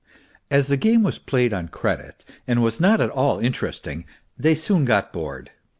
As the game was played on credit and was not at all interesting 282 MR. PR05ARTCHIK they soon got bored.